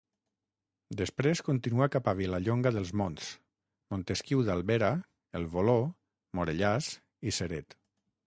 Després continua cap a Vilallonga dels Monts, Montesquiu d'Albera, el Voló, Morellàs i Ceret.